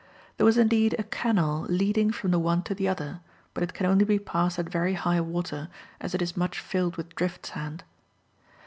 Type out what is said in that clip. There was indeed a canal leading from the one to the other, but it can only be passed at very high water, as it is much filled with drift sand.